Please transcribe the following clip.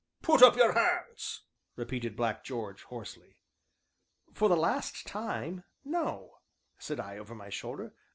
"Put up your hands!" repeated Black George hoarsely. "For the last time, no," said I over my shoulder.